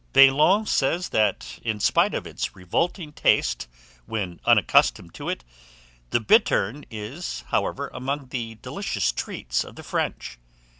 Belon says, that in spite of its revolting taste when unaccustomed to it, the bittern is, however, among the delicious treats of the French.